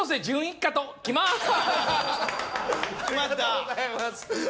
ありがとうございます。